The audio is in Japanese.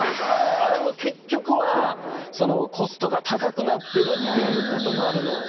あれも結局はコストが高くなってるっていうこともある。